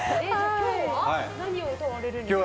今日は何を歌われるんですか？